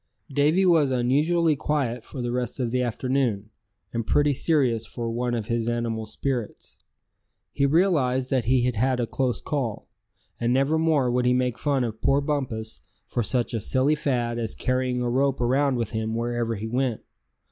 Davy was unusually quiet for the rest of the afternoon, and pretty serious for one of his animal spirits. He realized that he had had a close call; and never more would he make fun of poor Bumpus for such a silly fad as carrying a rope around with him wherever he went.